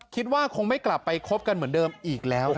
คิดว่าคงไม่กลับไปคบกันเหมือนเดิมอีกแล้วครับ